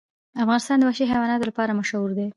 افغانستان د وحشي حیواناتو لپاره مشهور دی.